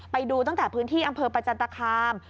ไปดูตั้งแต่พื้นที่อำเภอประจันตคาม